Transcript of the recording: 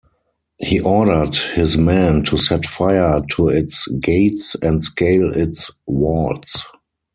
He ordered his men to set fire to its gates and scale its walls.